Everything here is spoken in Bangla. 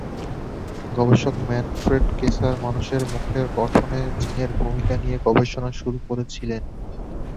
গবেষক ম্যানফ্রেড কেসার মানুষের মুখের গঠনে জিনের ভূমিকা নিয়ে গবেষণা শুরু করেছিলেন।